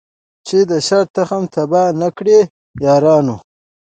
چي د شر تخم تباه نه کړی یارانو